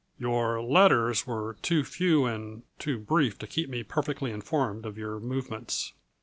"Your letters were too few and too brief to keep me perfectly informed of your movements."